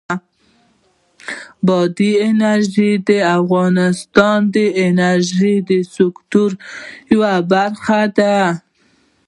بادي انرژي د افغانستان د انرژۍ د سکتور یوه برخه ده.